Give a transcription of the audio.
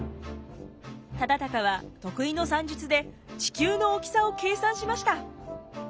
忠敬は得意の算術で地球の大きさを計算しました。